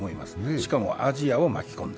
しかもアジアを巻き込んで。